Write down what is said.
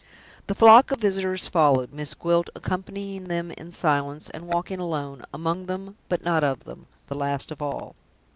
The flock of visitors followed, Miss Gwilt accompanying them in silence, and walking alone among them, but not of them the last of all.